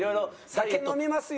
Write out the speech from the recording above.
酒飲みますよ